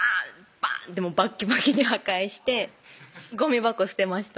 バン！ってバッキバキに破壊してごみ箱捨てました